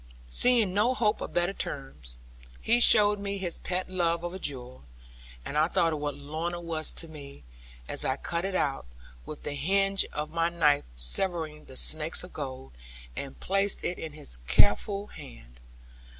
Seeing no hope of better terms, he showed me his pet love of a jewel; and I thought of what Lorna was to me, as I cut it out (with the hinge of my knife severing the snakes of gold) and placed it in his careful hand.